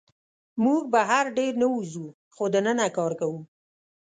موږ بهر ډېر نه وځو، خو دننه کار کوو.